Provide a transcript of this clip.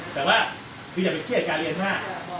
แต่ว่าคืออย่าไปเครียดการเรียนมาก